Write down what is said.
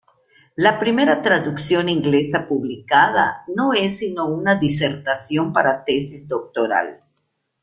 La primera traducción inglesa publicada no es sino una disertación para tesis doctoral.